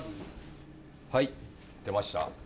はい出ました。